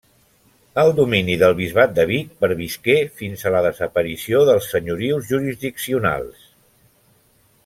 El domini del bisbat de Vic pervisqué fins a la desaparició dels senyorius jurisdiccionals.